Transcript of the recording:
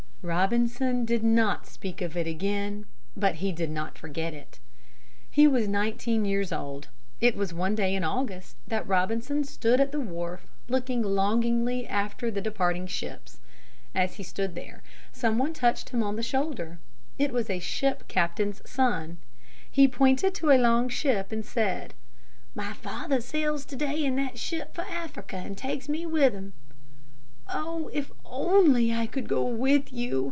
Robinson did not speak of it again, but he did not forget it. He was nineteen years old. It was one day in August that Robinson stood at the wharf looking longingly after the departing ships. As he stood there, someone touched him on the shoulder. It was a ship captain's son. He pointed to a long ship and said, "My father sails to day in that ship for Africa and takes me with him." "Oh, if I could only go with you!"